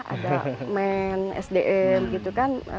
ada men sdm gitu kan